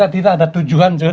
tidak ada tujuan